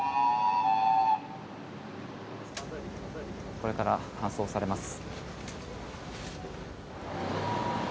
これから搬送されます。